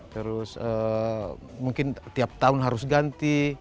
terus mungkin tiap tahun harus ganti